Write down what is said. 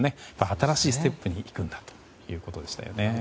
新しいステップに行くんだということでしたね。